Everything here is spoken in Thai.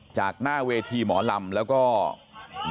จากหน้าเวทีหมอลำแล้วก็ที่นี่นะครับ